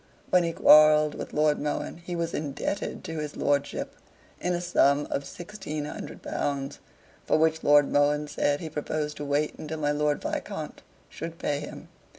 When he quarrelled with Lord Mohun he was indebted to his lordship in a sum of sixteen hundred pounds, for which Lord Mohun said he proposed to wait until my Lord Viscount should pay him.